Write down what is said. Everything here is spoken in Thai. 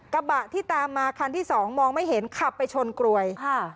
กระบะที่ตามมาคันที่สองมองไม่เห็นขับไปชนกรวยค่ะ